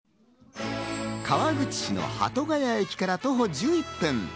川口市の鳩ケ谷駅から徒歩１１分。